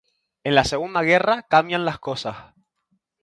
En la segunda guerra, cambian las cosas.